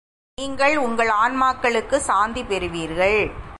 நீங்கள் உங்கள் ஆன்மாக்களுக்குச் சாந்தி பெறுவீர்கள்.